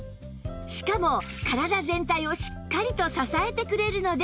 しかも体全体をしっかりと支えてくれるので